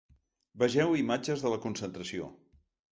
Vegeu imatges de la concentració.